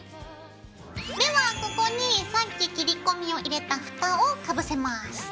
ではここにさっき切り込みを入れたフタをかぶせます。